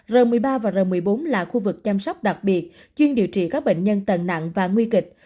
r một mươi ba và r một mươi bốn là khu vực chăm sóc đặc biệt chuyên điều trị các bệnh nhân tầng nặng và nguy kịch